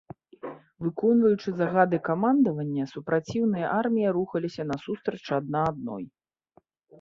Выконваючы загады камандавання, супраціўныя арміі рухаліся насустрач адна адной.